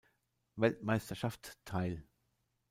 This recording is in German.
Weltmeisterschaft teil.